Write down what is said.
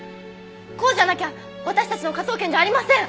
こうじゃなきゃ私たちの科捜研じゃありません！